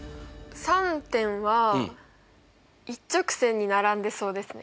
３点は一直線に並んでそうですね。